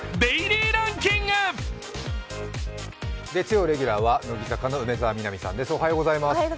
月曜レギュラーは乃木坂の梅澤美波さんです。